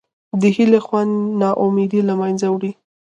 د هیلې خوند نا امیدي له منځه وړي.